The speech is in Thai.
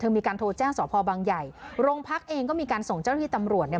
มีการโทรแจ้งสพบางใหญ่โรงพักเองก็มีการส่งเจ้าหน้าที่ตำรวจเนี่ย